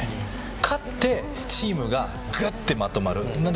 勝ってチームがぐっとまとまるので。